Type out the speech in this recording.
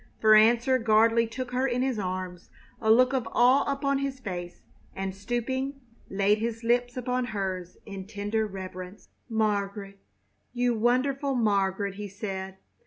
For answer Gardley took her in his arms, a look of awe upon his face, and, stooping, laid his lips upon hers in tender reverence. "Margaret you wonderful Margaret!" he said.